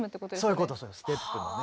そういうことステップのね。